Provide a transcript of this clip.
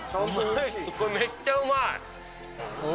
めっちゃうまい！